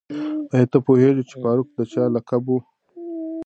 آیا ته پوهېږې چې فاروق د چا لقب و؟